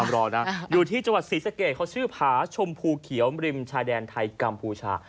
รอนะอยู่ที่จังหวัดศรีสะเกดเขาชื่อผาชมพูเขียวริมชายแดนไทยกัมพูชา